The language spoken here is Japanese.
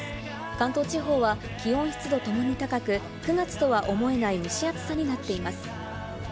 関東地方は気温・湿度ともに高く、９月とは思えない蒸し暑さになっています。